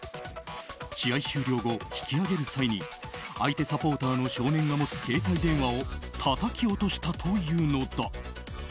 試合終了後、引き揚げる際に相手サポーターの少年が持つ携帯電話をたたき落としたというのだ。